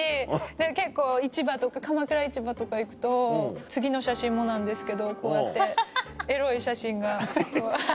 結構鎌倉市場とか行くと次の写真もなんですけどこうやってエロい写真がこう。